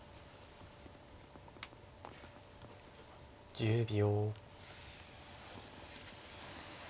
１０秒。